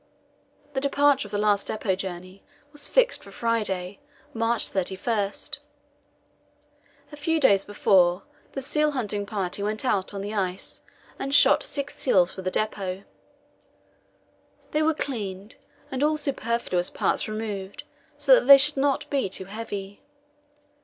The departure of the last depot journey was fixed for Friday, March 31. A few days before, the seal hunting party went out on the ice and shot six seals for the depot. They were cleaned and all superfluous parts removed, so that they should not be too heavy.